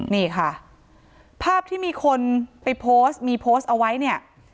นี่ค่ะภาพที่มีคนไปโพสต์มีโพสต์เอาไว้เนี่ย